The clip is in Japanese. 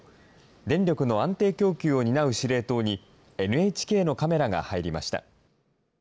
電力の安定供給を担う司令塔に、ＮＨＫのカメラが入りました。